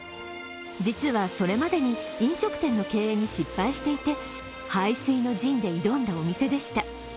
実は、それまでに飲食店の経営に失敗していて背水の陣で挑んだお店でした。